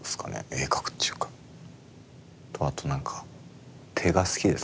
鋭角っちゅうかとあと何か手が好きですね。